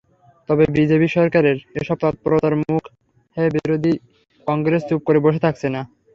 তবে বিজেপি সরকারের এসব তৎপরতার মুখে বিরোধী কংগ্রেস চুপ করে বসে থাকছে না।